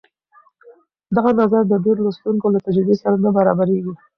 دغه نظر د ډېرو لوستونکو له تجربې سره نه برابرېږي.